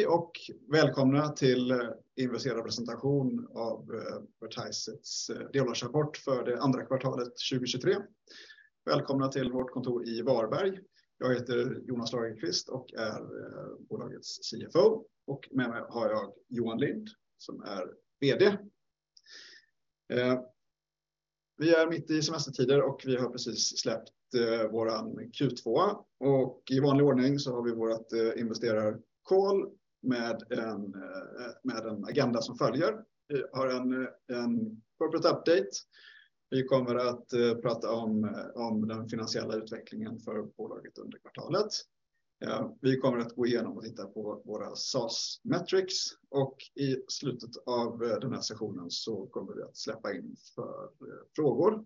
Hej och välkomna till investerarpresentation av Vertiseit's delårsrapport för det andra kvartalet 2023. Välkomna till vårt kontor i Varberg. Jag heter Jonas Lagerqvist och är bolagets CFO och med mig har jag Joar Lind, som är VD. Vi är mitt i semestertider och vi har precis släppt vår Q2. I vanlig ordning så har vi vårt investor call med en agenda som följer. Vi har en corporate update. Vi kommer att prata om den finansiella utvecklingen för bolaget under kvartalet. Vi kommer att gå igenom och titta på våra SaaS metrics i slutet av den här sessionen så kommer vi att släppa in för frågor.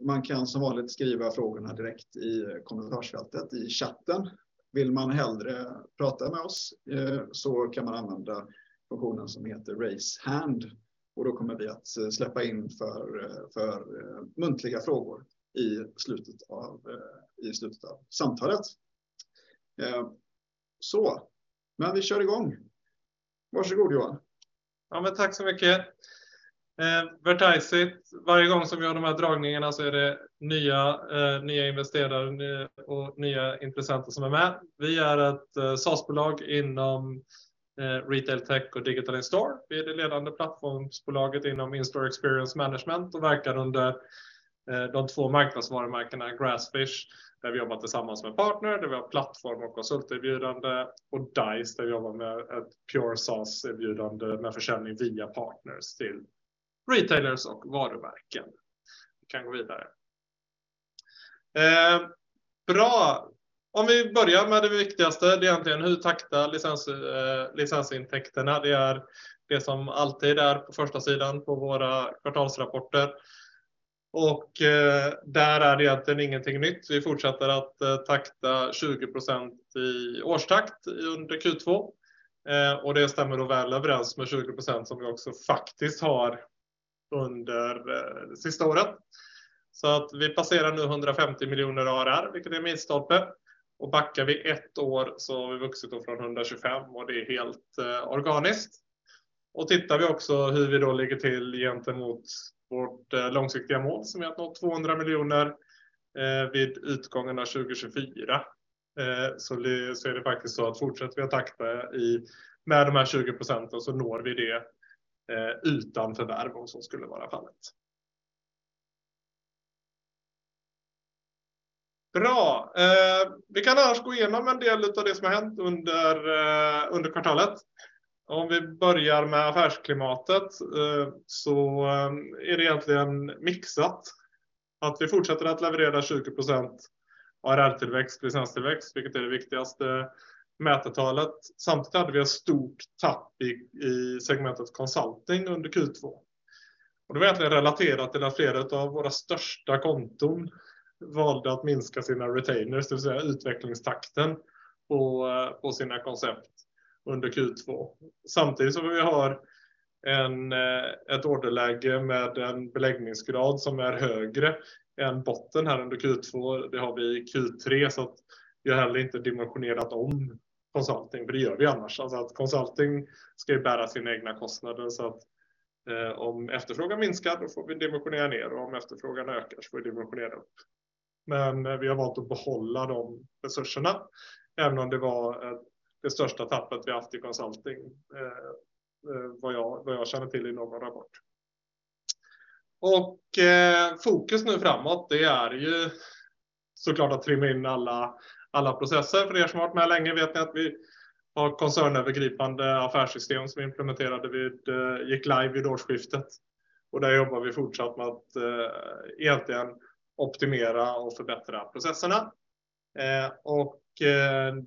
Man kan som vanligt skriva frågorna direkt i kommentarsfältet i chatten. Vill man hellre prata med oss, så kan man använda funktionen som heter Raise Hand och då kommer vi att släppa in för muntliga frågor i slutet av samtalet. Vi kör i gång. Varsågod Johan! Men tack så mycket! Vertiseit, varje gång som vi har de här dragningarna så är det nya investerare och nya intressenter som är med. Vi är ett SaaS-bolag inom Retail Tech och Digital In-store. Vi är det ledande plattformsbolaget inom In-store Experience Management och verkar under de två marknadsvarumärkena Grassfish, där vi jobbar tillsammans med partner, där vi har plattform och konsulterbjudande och Dise, där vi jobbar med ett pure SaaS-erbjudande med försäljning via partners till retailers och varumärken. Vi kan gå vidare. Bra! Vi börjar med det viktigaste, det är egentligen hur taktar licensintäkterna? Det är det som alltid är på första sidan på våra kvartalsrapporter. Där är det egentligen ingenting nytt. Vi fortsätter att takta 20% i årstakt under Q2. Det stämmer då väl överens med 20%, som vi också faktiskt har under det sista året. Vi passerar nu SEK 150 million ARR, vilket är milstolpe. Backar vi 1 år, så har vi vuxit från SEK 125 million. Det är helt organiskt. Tittar vi också hur vi då ligger till gentemot vårt långsiktiga mål, som är att nå SEK 200 million vid utgången av 2024, så är det faktiskt så att fortsätter vi att takta i med de här 20% så når vi det utan förvärv om så skulle vara fallet. Bra! Vi kan annars gå igenom en del av det som har hänt under kvartalet. Vi börjar med affärsklimatet så är det egentligen mixat. Vi fortsätter att leverera 20% ARR-tillväxt, licenstillväxt, vilket är det viktigaste mätetalet. Hade vi ett stort tapp i segmentet consulting under Q2. Det var egentligen relaterat till att flera utav våra största konton valde att minska sina retainers, det vill säga utvecklingstakten på sina koncept under Q2. Vi har ett orderläge med en beläggningsgrad som är högre än botten här under Q2. Det har vi i Q3, så att vi har heller inte dimensionerat om consulting, för det gör vi annars. Att consulting ska ju bära sina egna kostnader, så att om efterfrågan minskar, då får vi dimensionera ner och om efterfrågan ökar, så får vi dimensionera upp. Vi har valt att behålla de resurserna, även om det var det största tappet vi haft i consulting, vad jag känner till i någon rapport. Fokus nu framåt, det är ju så klart att trimma in alla processer. För er som har varit med länge vet ni att vi har koncernövergripande affärssystem som vi implementerade vid, gick live vid årsskiftet. Där jobbar vi fortsatt med att egentligen optimera och förbättra processerna.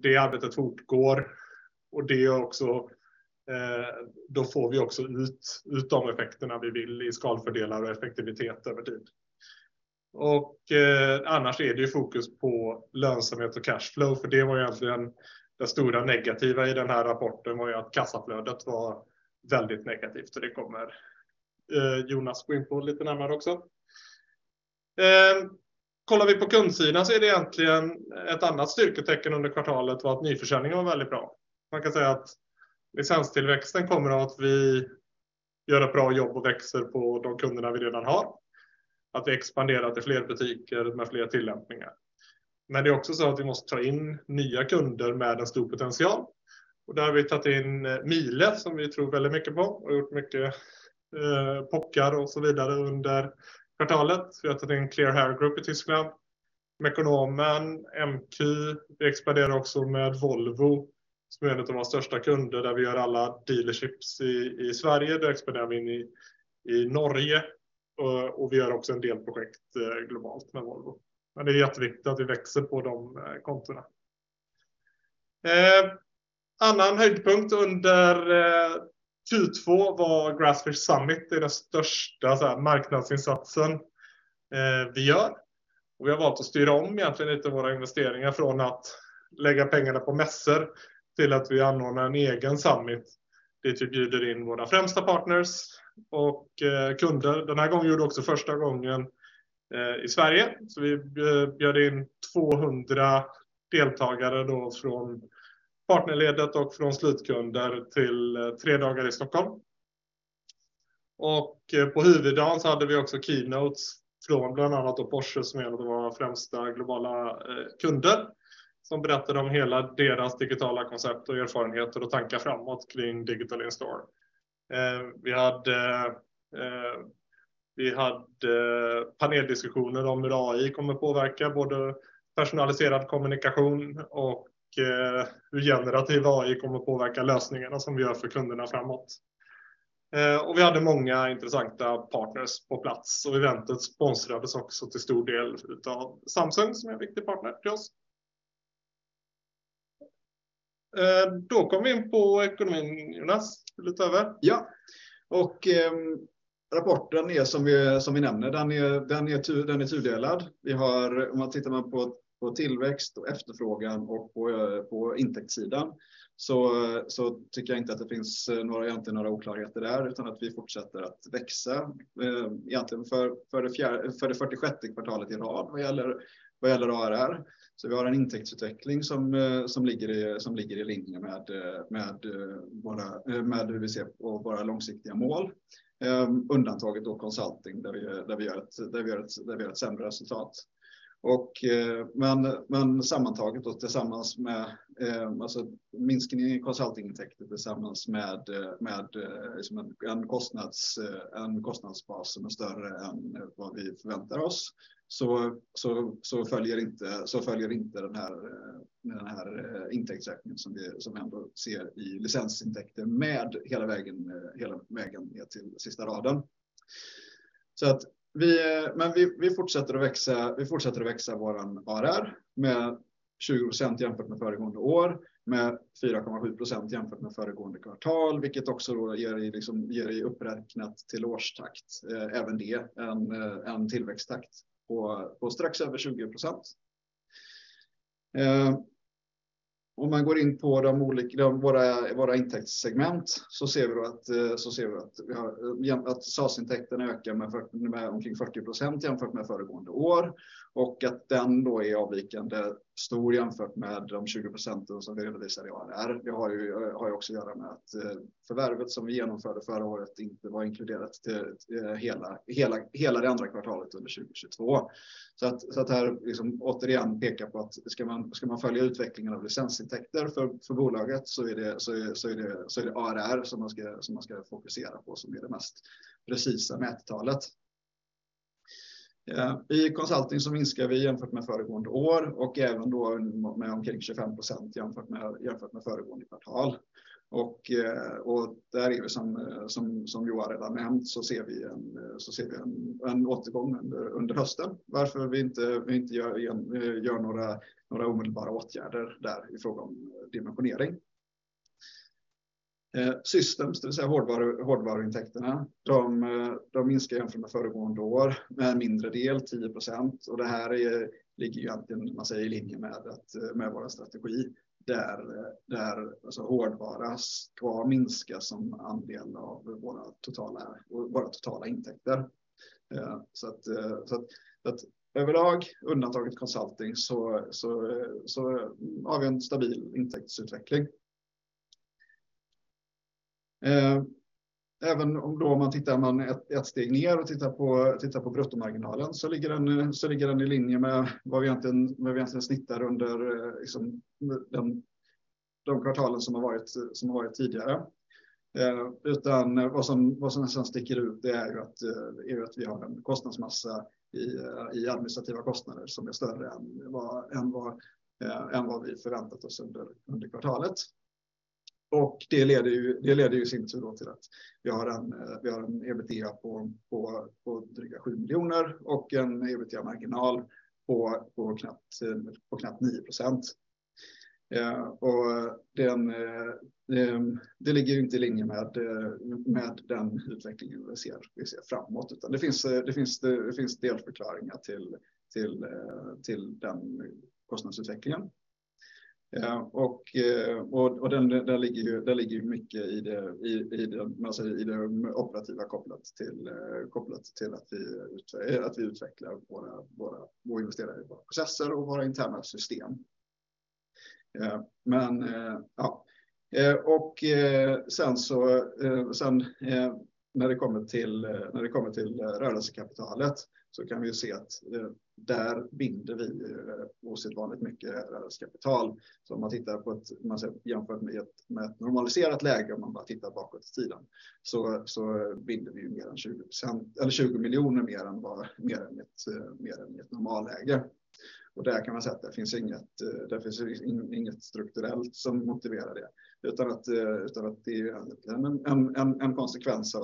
Det arbetet fortgår. Då får vi också ut de effekterna vi vill i skalfördelar och effektivitet över tid. Annars är det fokus på lönsamhet och cash flow, för det var egentligen det stora negativa i den här rapporten var ju att kassaflödet var väldigt negativt och det kommer Jonas gå in på lite närmare också. Kollar vi på kundsidan så är det egentligen ett annat styrketecken under kvartalet var att nyförsäljningen var väldigt bra. Man kan säga att licenstillväxten kommer av att vi gör ett bra jobb och växer på de kunderna vi redan har, att vi expanderar till fler butiker med fler tillämpningar. Det är också så att vi måste ta in nya kunder med en stor potential. Där har vi tagit in Miele, som vi tror väldigt mycket på och gjort mycket POCs och så vidare under kvartalet. Vi har tagit in Klier Hair Group i Tyskland, Mekonomen, MQ. Vi expanderar också med Volvo, som är en av de största kunder, där vi gör alla dealerships i Sverige. Det expanderar vi in i Norge och vi gör också en del projekt globalt med Volvo. Det är jätteviktigt att vi växer på de kontona. Annan höjdpunkt under Q2 var Grassfish Summit. Det är den största marknadsinsatsen vi gör. Vi har valt att styra om egentligen lite våra investeringar från att lägga pengarna på mässor till att vi anordnar en egen Summit. Det vi bjuder in våra främsta partners och kunder. Den här gången gjorde också första gången i Sverige. Vi bjöd in 200 deltagare från partnerledet och från slutkunder till 3 dagar i Stockholm. På huvuddagen så hade vi också keynotes från bland annat Porsche, som är en av våra främsta globala kunder, som berättade om hela deras Digital In-store koncept och erfarenheter och tankar framåt kring Digital In-store. Vi hade paneldiskussioner om hur AI kommer påverka både personaliserad kommunikation och hur generativ AI kommer påverka lösningarna som vi gör för kunderna framåt. Vi hade många intressanta partners på plats och eventet sponsrades också till stor del utav Samsung, som är en viktig partner till oss. Då kommer vi in på ekonomin, Jonas. Vill du ta över? Ja, rapporten är som vi nämner, den är tudelad. Vi har, om man tittar man på tillväxt och efterfrågan och på intäktssidan, tycker jag inte att det finns några, egentligen några oklarheter där, utan att vi fortsätter att växa. Egentligen för det 46th kvartalet i rad, vad gäller ARR. Vi har en intäktsutveckling som ligger i linje med våra, med hur vi ser på våra långsiktiga mål. Undantaget då consulting, där vi gör ett sämre resultat. Men sammantaget då, tillsammans med, alltså minskningen i consultingintäkter tillsammans med en kostnadsbas som är större än vad vi förväntar oss, följer inte den här intäktsräkningen som vi ändå ser i licensintäkter med hela vägen, hela vägen ner till sista raden. Vi fortsätter att växa vår ARR med 20% jämfört med föregående år, med 4.7% jämfört med föregående kvartal, vilket också ger i uppräknat till årstakt, även det en tillväxttakt på strax över 20%. Om man går in på våra intäktssegment, så ser vi att SaaS-intäkterna ökar med omkring 40% jämfört med föregående år och att den då är avvikande stor jämfört med de 20% som vi redovisar i ARR. Det har ju också att göra med att förvärvet som vi genomförde förra året inte var inkluderat hela det andra kvartalet under 2022. Här återigen peka på att ska man följa utvecklingen av licensintäkter för bolaget så är det ARR som man ska fokusera på, som är det mest precisa mättalet. I consulting så minskar vi jämfört med föregående år och även då med omkring 25% jämfört med föregående kvartal. Där är det som Joar redan nämnt, så ser vi en återgång under hösten. Varför vi inte gör några omedelbara åtgärder där i fråga om dimensionering. Systems, det vill säga hårdvaruintäkterna, de minskar jämfört med föregående år med en mindre del, 10%. Det här ligger ju egentligen, om man säger, i linje med att, med vår strategi, där alltså hårdvara ska minska som andelen av våra totala intäkter. Överlag, undantaget consulting, har vi en stabil intäktsutveckling. Även om man tittar ett steg ner och tittar på bruttomarginalen, ligger den i linje med vad vi egentligen snittar under de kvartalen som har varit tidigare. Vad som nästan sticker ut, är att vi har en kostnadsmassa i administrativa kostnader som är större än vad vi förväntat oss under kvartalet. Det leder i sin tur till att vi har en EBITDA på dryga SEK 7 million och en EBITDA-marginal på knappt 9%. Det ligger inte i linje med den utvecklingen vi ser framåt. Det finns delförklaringar till den kostnadsutvecklingen. Den, där ligger ju mycket i det, i den operativa kopplat till att vi utvecklar våra, och investerar i våra processer och våra interna system. Ja, och sen så, när det kommer till rörelsekapitalet, så kan vi se att där binder vi osedvanligt mycket rörelsekapital. Om man tittar på att, om man jämför med ett normaliserat läge, om man bara tittar bakåt i tiden, så binder vi ju mer än 20% eller SEK 20 million mer än vad, mer än i ett normalläge. Där kan man säga att det finns inget strukturellt som motiverar det, utan att det är en konsekvens av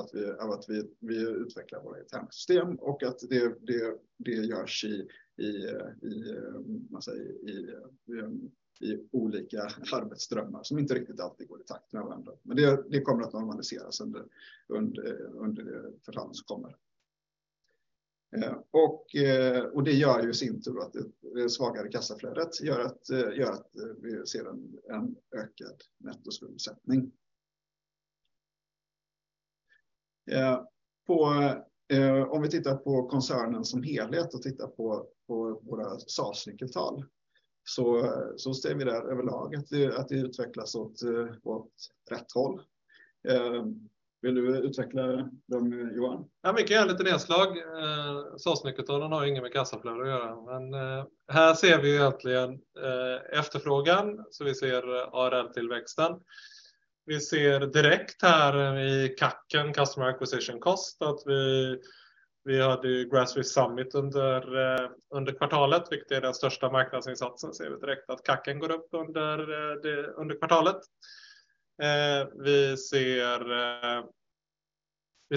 att vi utvecklar våra interna system och att det görs i olika arbetsströmmar som inte riktigt alltid går i takt med varandra. Det kommer att normaliseras under det förhållande som kommer. Det gör ju i sin tur att det svagare kassaflödet gör att vi ser en ökad nettoskuldsättning. Om vi tittar på koncernen som helhet och tittar på våra SaaS-nyckeltal, så ser vi det överlag att det utvecklas åt rätt håll. Vill du utveckla dem, Johan? Vi kan göra ett litet nedslag. SaaS-nyckeltalen har ju inget med kassaflöde att göra, här ser vi egentligen efterfrågan, vi ser ARR-tillväxten. Vi ser direkt här i CACen, Customer Acquisition Cost, att vi hade ju Grassfish Summit under kvartalet, vilket är den största marknadsinsatsen. Ser vi direkt att CACen går upp under kvartalet. Vi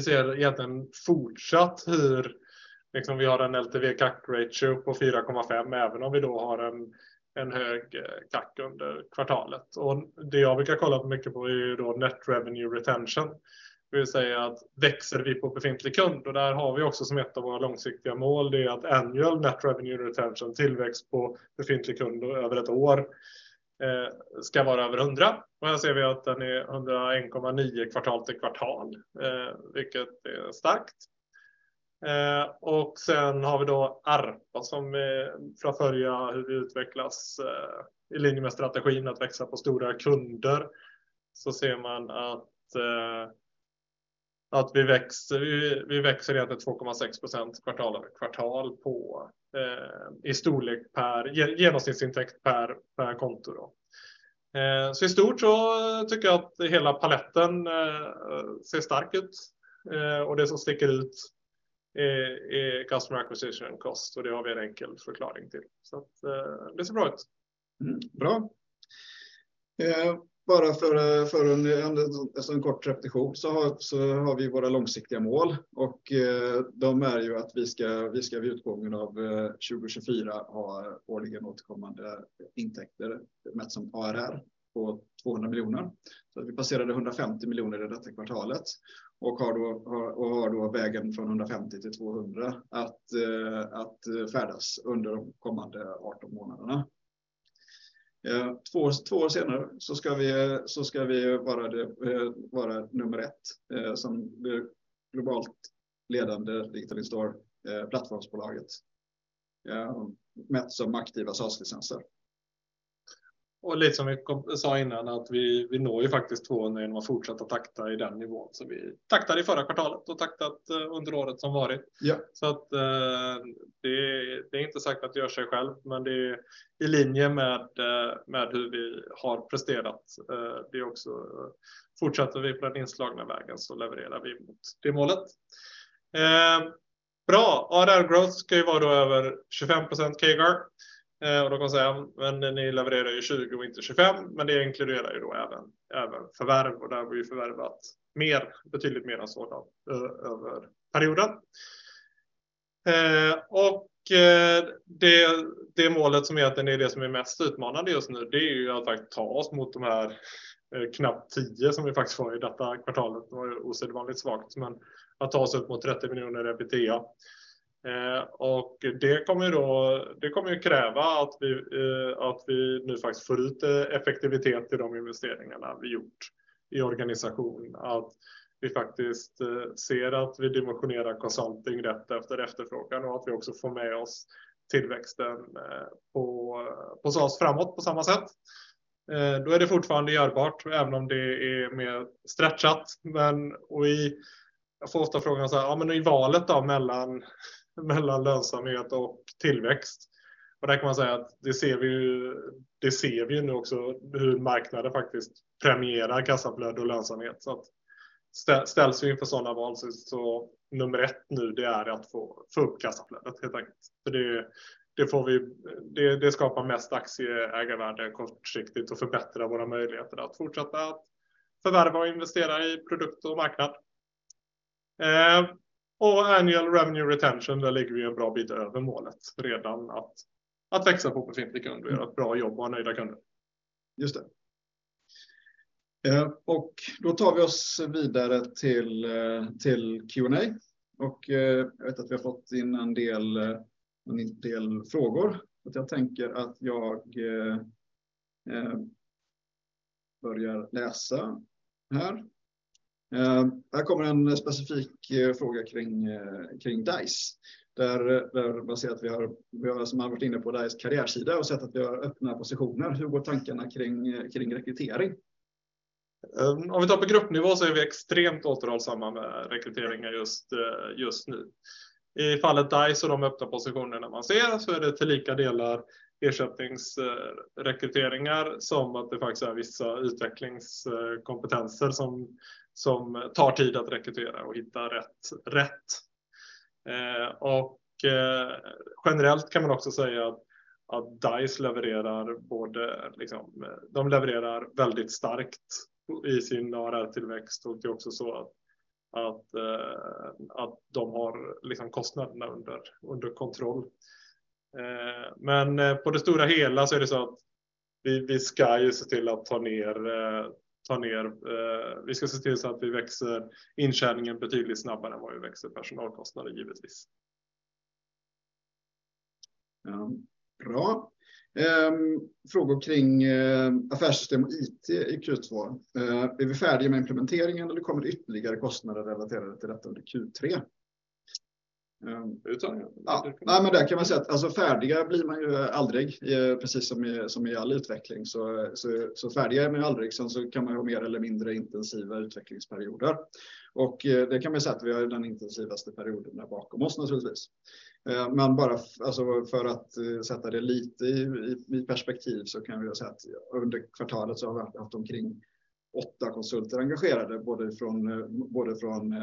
ser egentligen fortsatt hur, liksom vi har en LTV/CAC-ratio på 4.5, även om vi då har en hög CAC under kvartalet. Det jag brukar kolla på mycket på är ju då Net Revenue Retention. Växer vi på befintlig kund? Där har vi också som ett av våra långsiktiga mål, det är att annual Net Revenue Retention, tillväxt på befintlig kund över ett år, ska vara over 100%. Här ser vi att den är 101.9 quarter-over-quarter, vilket är starkt. Har vi då ARPA, som vi för att följa hur vi utvecklas i linje med strategin att växa på stora kunder. Ser man att vi växer egentligen 2.6% quarter-over-quarter i storlek per genomsnittsintäkt per konto då. I stort så tycker jag att hela paletten ser stark ut, och det som sticker ut är Customer Acquisition Cost, det har vi en enkel förklaring till. Det ser bra ut. Bra. Bara för en kort repetition så har vi våra långsiktiga mål och de är ju att vi ska vid utgången av 2024 ha årligen återkommande intäkter, mätt som ARR, på SEK 200 million. Vi passerade SEK 150 million i detta kvartalet och har då vägen från SEK 150 million till SEK 200 million att färdas under de kommande 18 months. Two years senare så ska vi vara det, vara number one, som globalt ledande Digital In-store plattformsbolaget. Mätt som aktiva SaaS-licenser. Lite som vi sa innan, att vi når ju faktiskt 200 genom att fortsätta takta i den nivån. Vi taktade i förra kvartalet och taktat under året som varit. Ja. Det är inte sagt att det gör sig själv, men det är i linje med hur vi har presterat. Det är också fortsätter vi på den inslagna vägen så levererar vi mot det målet. Bra! ARR growth ska ju vara över 25% CAGR. Kan man säga: "Ni levererar ju 20 och inte 25." Det inkluderar ju då även förvärv och där har vi ju förvärvat mer, betydligt mer än så då över perioden. Det målet som egentligen är det som är mest utmanande just nu, det är ju att ta oss mot de här knappt 10 som vi faktiskt var i detta kvartalet. Det var osedvanligt svagt, men att ta oss upp mot SEK 30 million i EBITDA. Det kommer då, det kommer att kräva att vi, att vi nu faktiskt får ut effektivitet i de investeringarna vi gjort i organisation. Att vi faktiskt ser att vi dimensionerar consulting rätt efter efterfrågan och att vi också får med oss tillväxten på SaaS framåt på samma sätt. Då är det fortfarande görbart, även om det är mer stretchat. Vi, jag får ofta frågan: "Ja, men i valet då mellan lönsamhet och tillväxt?" Där kan man säga att det ser vi ju, det ser vi ju nu också, hur marknaden faktiskt premierar kassaflöde och lönsamhet. Ställs vi inför sådana val, så number one nu, det är att få upp kassaflödet, helt enkelt. Det, det får vi, det skapar mest aktieägarvärde kortsiktigt och förbättrar våra möjligheter att fortsätta att förvärva och investera i produkt och marknad. Annual Revenue Retention, där ligger vi en bra bit över målet. Redan att växa på befintlig kund, vi gör ett bra jobb och har nöjda kunder. Just det. Då tar vi oss vidare till Q&A. Jag vet att vi har fått in en del frågor. Jag tänker att jag börjar läsa här. Här kommer en specifik fråga kring Dise, där man ser att vi har som varit inne på Dise karriärsida och sett att vi har öppna positioner. Hur går tankarna kring rekrytering? Om vi tar på gruppnivå så är vi extremt återhållsamma med rekryteringar just nu. I fallet Dise och de öppna positionerna man ser, så är det till lika delar ersättningsrekryteringar som att det faktiskt är vissa utvecklingskompetenser som tar tid att rekrytera och hitta rätt. Generellt kan man också säga att Dise levererar både, liksom de levererar väldigt starkt i sin ARR-tillväxt. Det är också så att de har liksom kostnaderna under kontroll. På det stora hela så är det så att vi ska ju se till att ta ner, vi ska se till så att vi växer intjäningen betydligt snabbare än vad vi växer personalkostnader, givetvis. Ja, bra. Frågor kring affärssystem och IT i Q2. Blir vi färdiga med implementeringen eller kommer det ytterligare kostnader relaterade till detta under Q3? Det är utan... Där kan man säga att färdiga blir man ju aldrig, precis som i all utveckling, så färdiga är man ju aldrig. Man kan ha mer eller mindre intensiva utvecklingsperioder. Det kan man säga att vi har den intensivaste perioden bakom oss naturligtvis. Bara för att sätta det lite i perspektiv, kan vi säga att under kvartalet har vi haft omkring 8 konsulter engagerade, både från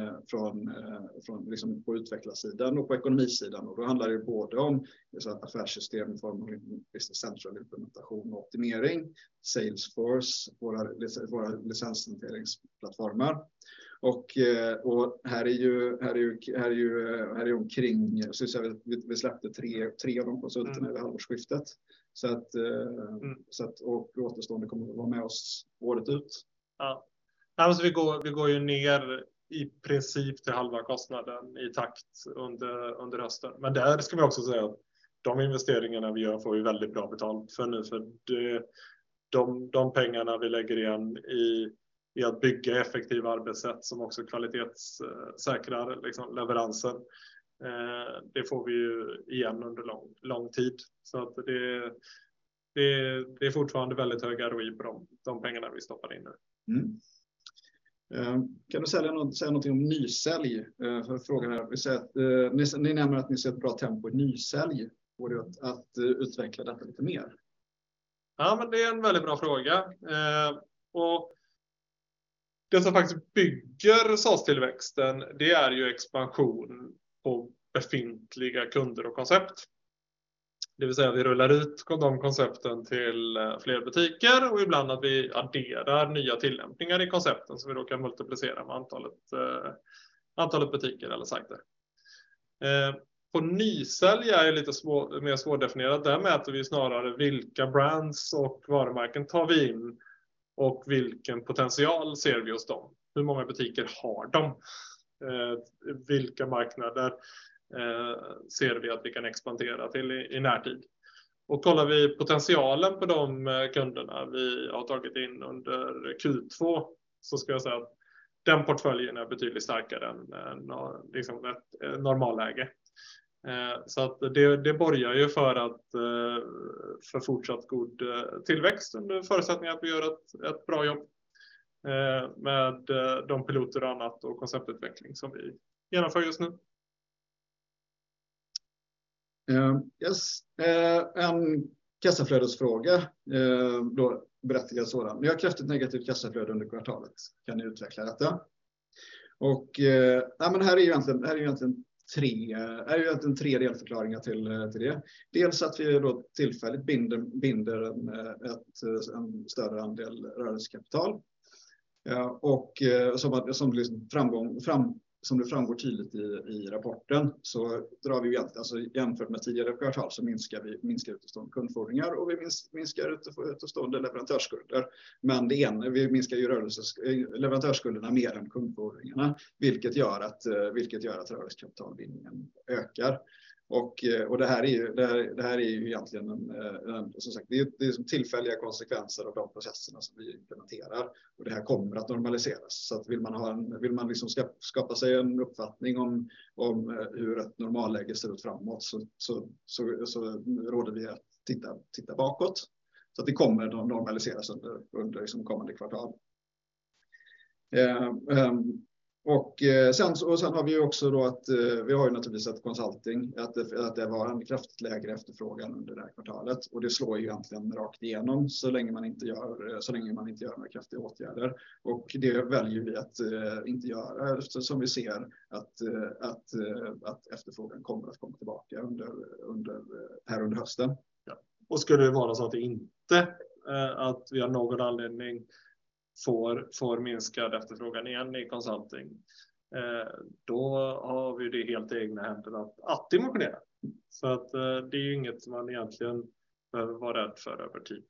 like på utvecklarsidan och på ekonomisidan. Då handlar det både om affärssystem i form av Business Central, implementation och optimering, Salesforce, våra licenshanteringsplattformar. Här är ju omkring... Vi släppte 3 av de konsulterna vid halvårsskiftet. Återstående kommer att vara med oss året ut. Vi går ju ner i princip till halva kostnaden i takt under hösten. Där ska vi också säga att de investeringarna vi gör får vi väldigt bra betalt för nu, för de pengarna vi lägger in i att bygga effektiva arbetssätt som också kvalitetssäkrar liksom leveransen, det får vi ju igen under lång tid. Det är fortfarande väldigt hög ROI på de pengarna vi stoppar in nu. Mm. Kan du sälja något, säga någonting om nysälj? Frågan är, ni nämner att ni ser ett bra tempo i nysälj. Går det att utveckla detta lite mer? Ja, det är en väldigt bra fråga. Det som faktiskt bygger salustillväxten, det är ju expansion på befintliga kunder och koncept. Det vill säga, vi rullar ut de koncepten till fler butiker och ibland att vi adderar nya tillämpningar i koncepten som vi då kan multiplicera med antalet butiker eller sajter. På nysälj är det lite mer svårdefinierat. Där mäter vi snarare vilka brands och varumärken tar vi in och vilken potential ser vi hos dem? Hur många butiker har de? Vilka marknader ser vi att vi kan expandera till i närtid? Kollar vi potentialen på de kunderna vi har tagit in under Q2, så ska jag säga att den portföljen är betydligt starkare än liksom ett normalläge. att det borgar ju för fortsatt god tillväxt, under förutsättning att vi gör ett bra jobb med de piloter och annat och konceptutveckling som vi genomför just nu. Yes, en kassaflödesfråga, då berättigas sådan: Ni har kraftigt negativt kassaflöde under kvartalet. Kan ni utveckla detta? Nej, men här är ju egentligen tre delförklaringar till det. Dels att vi då tillfälligt binder en större andel rörelsekapital. Som det framgår tydligt i rapporten, så drar vi egentligen, alltså jämfört med tidigare kvartal, så minskar vi utestående kundfordringar och vi minskar utestående leverantörsskulder. Men vi minskar ju rörelses, leverantörsskulderna mer än kundfordringarna, vilket gör att rörelsekapitalbindningen ökar. Det här är ju egentligen en, som sagt, det är tillfälliga konsekvenser av de processerna som vi implementerar och det här kommer att normaliseras. Vill man ha en, vill man liksom skapa sig en uppfattning om hur ett normalläge ser ut framåt, råder vi att titta bakåt. Det kommer att normaliseras under liksom kommande kvartal. Har vi ju också då att vi har ju naturligtvis ett consulting, att det var en kraftigt lägre efterfrågan under det här kvartalet. Det slår ju egentligen rakt igenom så länge man inte gör några kraftiga åtgärder. Det väljer vi att inte göra, eftersom vi ser att efterfrågan kommer att komma tillbaka här under hösten. Skulle det vara så att det inte, att vi av någon anledning får minskad efterfrågan igen i consulting, då har vi det helt i egna händer att agera. Det är inget man egentligen behöver vara rädd för över tid.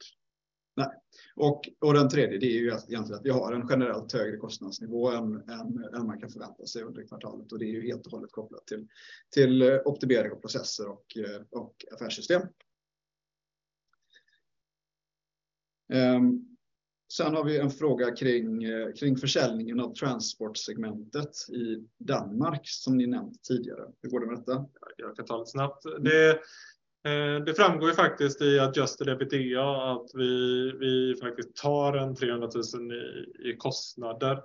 Nej, och den tredje, det är ju egentligen att vi har en generellt högre kostnadsnivå än vad man kan förvänta sig under kvartalet. Det är ju helt och hållet kopplat till optimering av processer och affärssystem. Sen har vi en fråga kring försäljningen av transportsegmentet i Danmark, som ni nämnt tidigare. Hur går det med detta? Jag kan ta det snabbt. Det framgår ju faktiskt i adjusted EBITDA att vi faktiskt tar en SEK 300,000 i kostnader.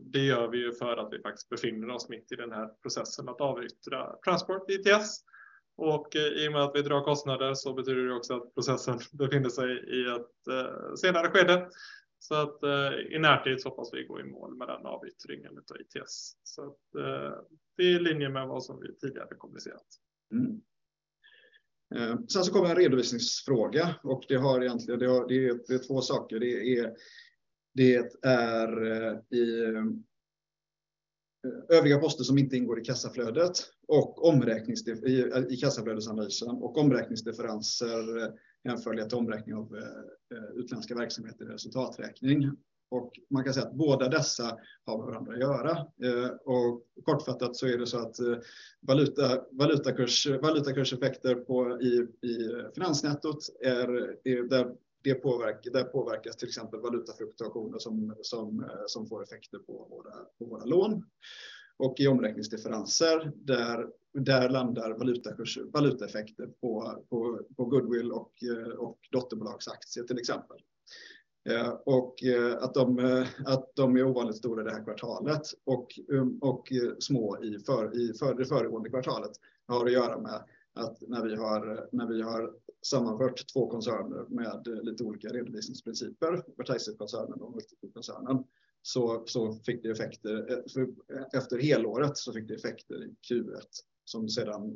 Det gör vi ju för att vi faktiskt befinner oss mitt i den här processen att avyttra transport MultiQ. I och med att vi drar kostnader så betyder det också att processen befinner sig i ett senare skede. I närtid så hoppas vi gå i mål med den avyttringen utav MultiQ. Det är i linje med vad som vi tidigare har kommunicerat. Kommer en redovisningsfråga och det har egentligen, det är två saker. Det är Övriga poster som inte ingår i kassaflödet och omräknings i kassaflödesanalysen och omräkningsdifferenser, jämförelse till omräkning av utländska verksamheter i resultaträkning. Man kan säga att båda dessa har med varandra att göra. Kortfattat så är det så att valutakurseffekter på i finansnettot är. Det påverkar, där påverkas till exempel valutafluktuationer som får effekter på våra lån och i omräkningsdifferenser. Där landar valutakurs valutaeffekter på goodwill och dotterbolagsaktier, till exempel. Att de är ovanligt stora i det här kvartalet och små i föregående kvartalet har att göra med att när vi har sammanfört två koncerner med lite olika redovisningsprinciper, Vertiseit koncernen och koncernen, så fick det effekter. Efter helåret så fick det effekter i Q1,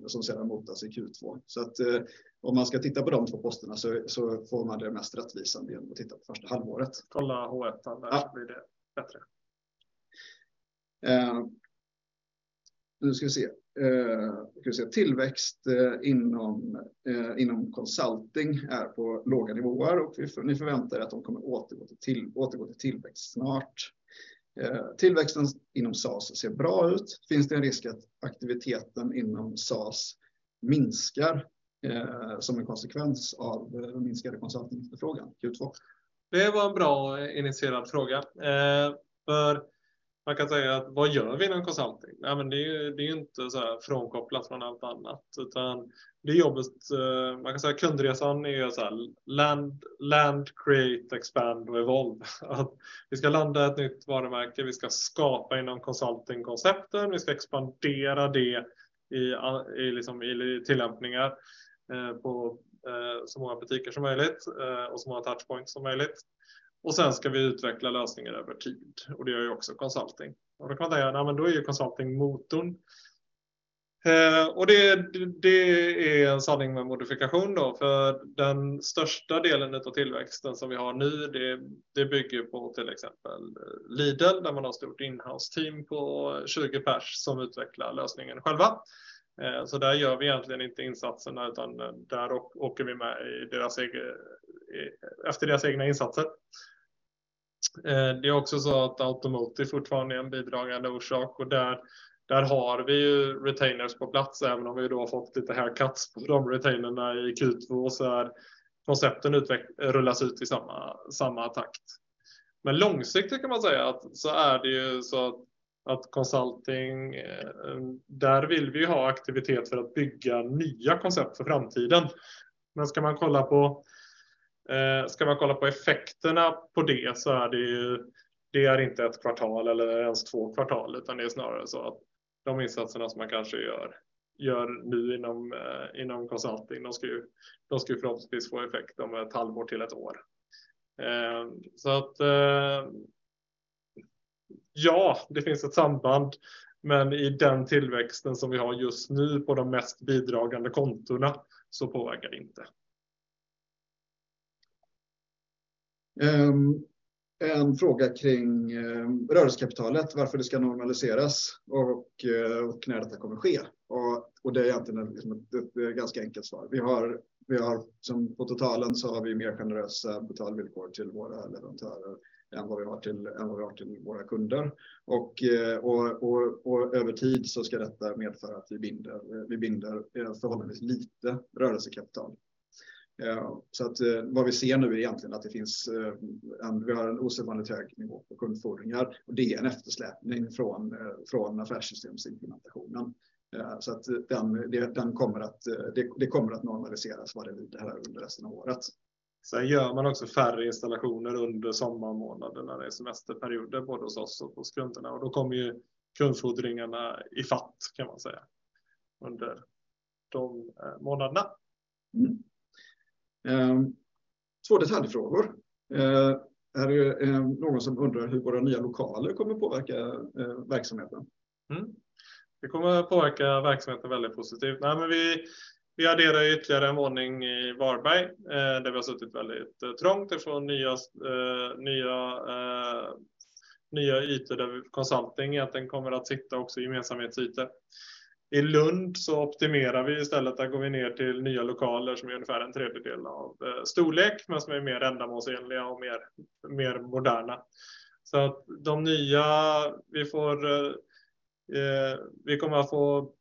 som sedan motas i Q2. Om man ska titta på de 2 posterna så får man det mest rättvisande genom att titta på första halvåret. Kolla H1 så blir det bättre. Nu ska vi se. Tillväxt inom consulting är på låga nivåer och vi förväntar att de kommer återgå till tillväxt snart. Tillväxten inom SaaS ser bra ut. Finns det en risk att aktiviteten inom SaaS minskar som en konsekvens av den minskade consulting efterfrågan, Q2? Det var en bra initierad fråga. Man kan säga, vad gör vi inom consulting? Det är ju inte så här frånkopplat från allt annat, utan det är jobbet. Man kan säga kundresan är så här, land, create, expand och evolve. Vi ska landa ett nytt varumärke, vi ska skapa inom consulting-koncepten, vi ska expandera det i liksom tillämpningar på så många butiker som möjligt och så många touch points som möjligt. Sen ska vi utveckla lösningar över tid och det gör ju också consulting. Då kan man säga, ja men då är ju consulting motorn. Det är en sanning med modifikation då, för den största delen utav tillväxten som vi har nu, det bygger på till exempel Lidl, där man har stort inhouse team på 20 pers som utvecklar lösningen själva. Där gör vi egentligen inte insatserna, utan där åker vi med i deras egna insatser. Det är också så att Automotive fortfarande är en bidragande orsak och där har vi ju retainers på plats, även om vi då fått lite haircuts från retainerna i Q2, så är koncepteren rullas ut i samma takt. Långsiktigt kan man säga att så är det ju så att consulting, där vill vi ha aktivitet för att bygga nya koncept för framtiden. Ska man kolla på effekterna på det så är det ju, det är inte one quarter or even two quarters, utan det är snarare så att de insatserna som man kanske gör nu inom consulting, de ska förhoppningsvis få effekt om one half year to one year. Ja, det finns ett samband, men i den tillväxten som vi har just nu på de mest bidragande kontona, påverkar det inte. En fråga kring rörelsekapitalet, varför det ska normaliseras och när detta kommer ske. Det är egentligen ett ganska enkelt svar. Vi har som på totalen så har vi mer generösa betalvillkor till våra leverantörer än vad vi har till, än vad vi har till våra kunder. Över tid så ska detta medföra att vi binder förhållandevis lite rörelsekapital. Vad vi ser nu är egentligen att vi har en osedvanligt hög nivå på kundfordringar och det är en eftersläpning från affärssystemsinformationen. Den kommer att normaliseras vad det under resten av året. Man gör också färre installationer under sommarmånaderna. Det är semesterperioder, både hos oss och hos kunderna. Då kommer ju kundfordringarna i fatt kan man säga, under de månaderna. Två detaljfrågor. Här är någon som undrar hur våra nya lokaler kommer påverka verksamheten? Det kommer att påverka verksamheten väldigt positivt. Vi adderar ytterligare en våning i Varberg, där vi har suttit väldigt trångt. Det får nya ytor där consulting egentligen kommer att sitta också i gemensamhetsytor. I Lund optimerar vi istället. Där går vi ner till nya lokaler som är ungefär en tredjedel av storlek, men som är mer ändamålsenliga och mer moderna. Vi kommer att få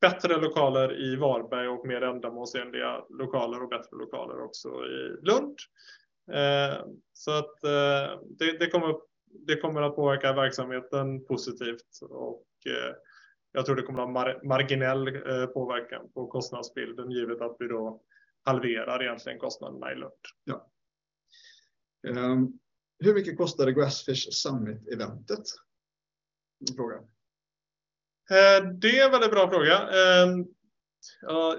bättre lokaler i Varberg och mer ändamålsenliga lokaler och bättre lokaler också i Lund. Det kommer att påverka verksamheten positivt och jag tror det kommer att vara marginell påverkan på kostnadsbilden, givet att vi då halverar egentligen kostnaderna i Lund. Ja. Hur mycket kostar det Grassfish Summit eventet? En fråga. Det är en väldigt bra fråga.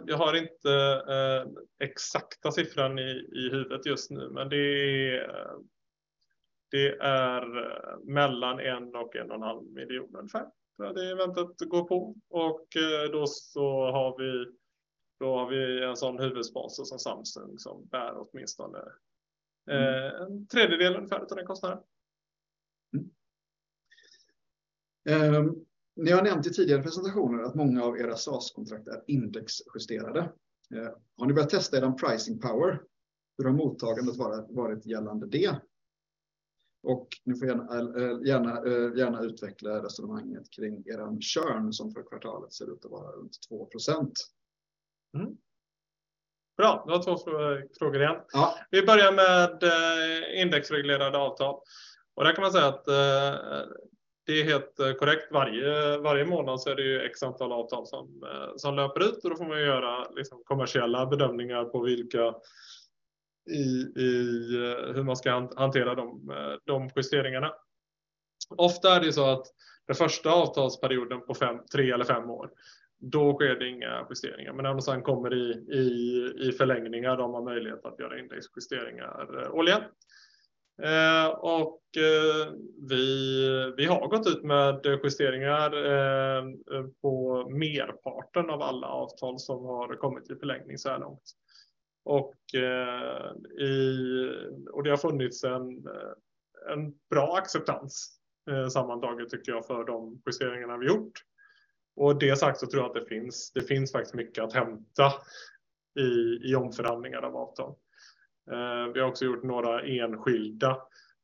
Jag har inte exakta siffran i huvudet just nu, men det är mellan SEK one and a half million ungefär. Det är väntat att gå på. Då så har vi en sådan huvudsponsor som Samsung, som bär åtminstone. SEK one third ungefär utav den kostnaden. Eh, ni har nämnt i tidigare presentationer att många av era SaaS-kontrakt är indexjusterade. Har ni börjat testa eran pricing power? Hur har mottagandet varit gällande det? Ni får gärna utveckla resonemanget kring eran churn som för kvartalet ser ut att vara runt 2%. Bra, du har 2 frågor igen. Ja! Vi börjar med indexreglerade avtal. Där kan man säga att det är helt korrekt. Varje månad så är det ju x antal avtal som löper ut och då får man ju göra liksom kommersiella bedömningar på vilka, hur man ska hantera de justeringarna. Ofta är det ju så att den första avtalsperioden på 5, 3 eller 5 år, då sker det inga justeringar. När man sen kommer i förlängningar, då har man möjlighet att göra indexjusteringar årligen. Vi har gått ut med justeringar på merparten av alla avtal som har kommit i förlängning såhär långt. Det har funnits en bra acceptans, sammantaget tycker jag, för de justeringarna vi har gjort. Det sagt så tror jag att det finns faktiskt mycket att hämta i omförhandlingar av avtal. Vi har också gjort några enskilda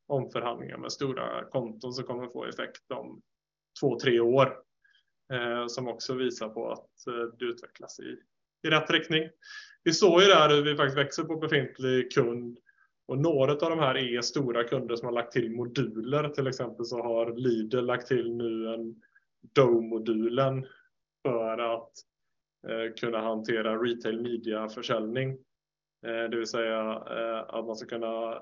omförhandlingar med stora konton som kommer att få effekt om 2, 3 år, som också visar på att det utvecklas i rätt riktning. Vi såg ju där hur vi faktiskt växer på befintlig kund och några utav de här är stora kunder som har lagt till moduler. Till exempel, så har Lidl lagt till nu en DOOH-modulen för att kunna hantera retail mediaförsäljning. Det vill säga, att man ska kunna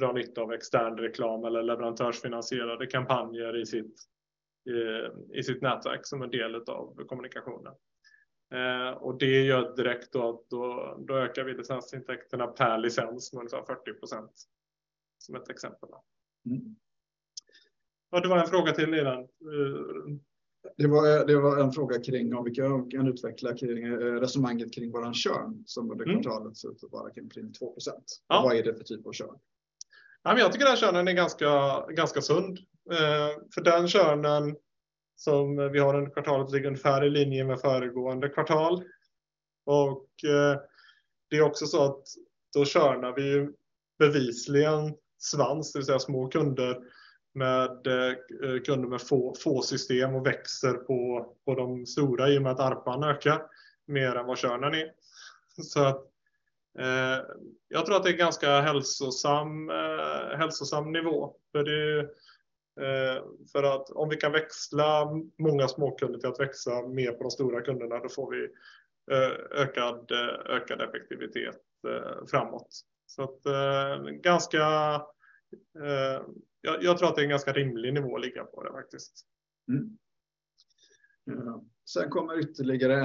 dra nytta av extern reklam eller leverantörsfinansierade kampanjer i sitt nätverk som en del utav kommunikationen. Och det gör direkt då att då ökar vi licensintäkterna per licens med ungefär 40%. Som ett exempel då. Mm. Ja, det var en fråga till innan. Det var en fråga kring om vi kan utveckla kring resonemanget kring våran churn, som under kvartalet ser ut att vara kring 2%. Ja. Vad är det för typ av churn? Jag tycker den churnen är ganska sund. För den churnen som vi har under kvartalet ligger ungefär i linje med föregående kvartal. Det är också så att då churnar vi ju bevisligen svans, det vill säga små kunder med få system och växer på de stora i och med att ARPA ökar mer än vad churnen är. Jag tror att det är ganska hälsosam nivå. För att om vi kan växla många småkunder till att växa mer på de stora kunderna, då får vi ökad effektivitet framåt. Ganska. Jag tror att det är en ganska rimlig nivå att ligga på det faktiskt. Kommer ytterligare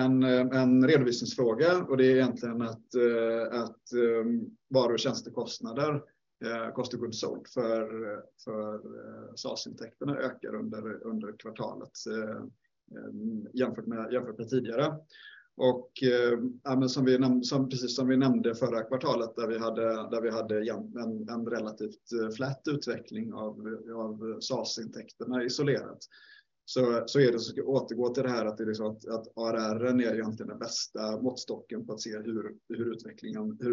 en redovisningsfråga och det är egentligen att varu- och tjänstekostnader, cost of goods sold för SaaS-intäkterna ökar under kvartalet jämfört med tidigare. Ja men som vi nämnde, precis som vi nämnde förra kvartalet, där vi hade jämt, en relativt flat utveckling av SaaS-intäkterna isolerat. Så är det, ska återgå till det här att det är så att ARR-en är egentligen den bästa måttstocken på att se hur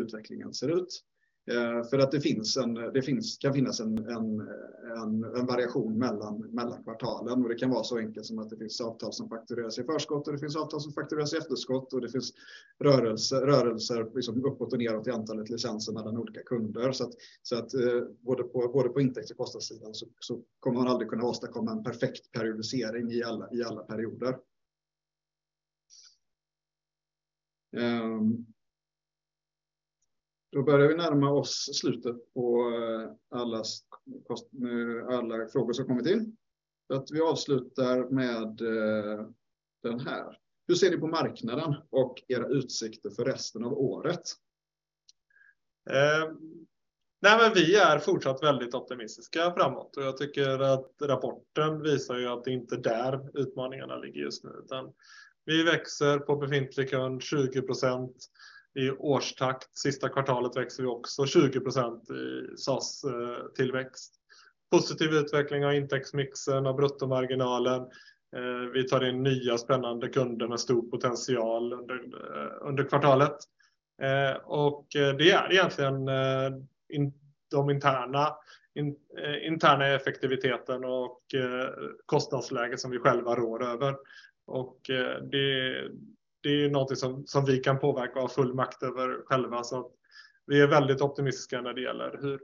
utvecklingen ser ut. För att det finns en variation mellan kvartalen. Det kan vara så enkelt som att det finns avtal som faktureras i förskott och det finns avtal som faktureras i efterskott och det finns rörelser, liksom uppåt och nedåt i antalet licenser mellan olika kunder. Så att både på intäkt- och kostnadssidan så kommer man aldrig kunna åstadkomma en perfekt periodisering i alla perioder. Då börjar vi närma oss slutet på allas alla frågor som kommit in. Vi avslutar med den här: "Hur ser ni på marknaden och era utsikter för resten av året? Eh, nej, men vi är fortsatt väldigt optimistiska framåt och jag tycker att rapporten visar ju att det är inte där utmaningarna ligger just nu. Utan vi växer på befintlig kund tjugo procent i årstakt. Sista kvartalet växer vi också tjugo procent i SaaS-tillväxt. Positiv utveckling av intäktsmixen, av bruttomarginalen. Eh, vi tar in nya spännande kunder med stor potential under, eh, under kvartalet. Eh, och det är egentligen in, de interna, in, interna effektiviteten och, eh, kostnadsläget som vi själva rår över. Och det, det är ju någonting som, som vi kan påverka och ha full makt över själva. Så att vi är väldigt optimistiska när det gäller hur,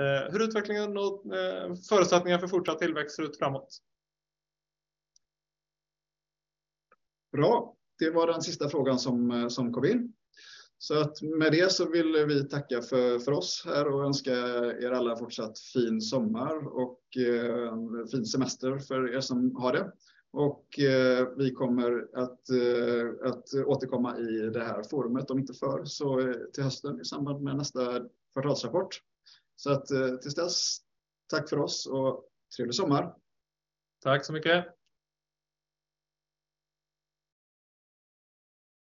eh, hur utvecklingen och, eh, förutsättningar för fortsatt tillväxt ser ut framåt. Bra, det var den sista frågan som kom in. Med det så vill vi tacka för oss här och önska er alla fortsatt fin sommar och fin semester för er som har det. Vi kommer att återkomma i det här forumet, om inte förr, så till hösten i samband med nästa kvartalsrapport. Tills dess, tack för oss och trevlig sommar! Tack så mycket!